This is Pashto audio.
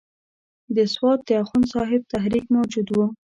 د سوات د اخوند صاحب تحریک موجود وو.